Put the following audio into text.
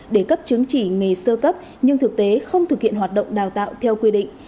để cấp chứng chỉ nghề sơ cấp nhưng thực tế không thực hiện hoạt động đào tạo theo quy định